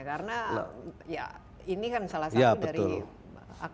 karena ya ini kan salah satu dari akar masalahnya kualitasnya